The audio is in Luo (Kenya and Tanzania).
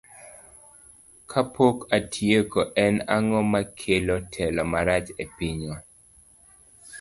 Kapok atieko, en ang'o makelo telo marach e pinywa?